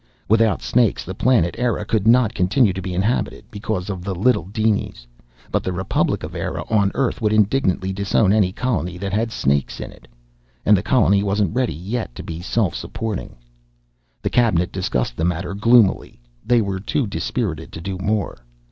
Without snakes the planet Eire could not continue to be inhabited, because of the little dinies. But the Republic of Eire on Earth would indignantly disown any colony that had snakes in it. And the colony wasn't ready yet to be self supporting. The cabinet discussed the matter gloomily. They were too dispirited to do more.